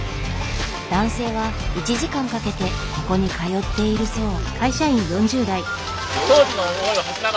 男性は１時間かけてここに通っているそう。